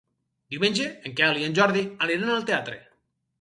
Diumenge en Quel i en Jordi aniran al teatre.